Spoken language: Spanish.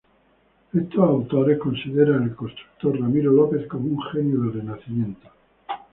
Estos autores consideran al constructor Ramiro López como un genio del Renacimiento.